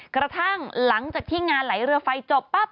กระทั่งหลังจากที่งานไหลเรือไฟจบปั๊บ